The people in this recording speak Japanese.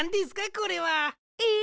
これは。え！？